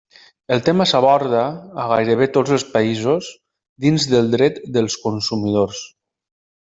El tema s'aborda, a gairebé tots els països, dins del dret dels consumidors.